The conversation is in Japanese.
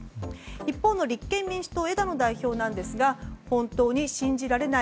一方の立憲民主党の枝野代表なんですが本当に信じられない。